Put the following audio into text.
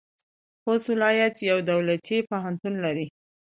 خوست ولایت یو دولتي پوهنتون لري.